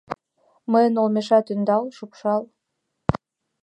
Мыйын олмешат ӧндал, шупшал.